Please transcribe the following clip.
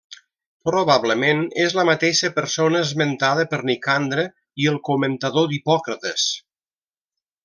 Probablement és la mateixa persona esmentada per Nicandre i el comentador d'Hipòcrates.